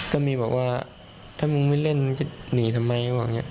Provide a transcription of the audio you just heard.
ก็มีบอกว่าถ้ามึงไม่เล่นก็หนีทำไม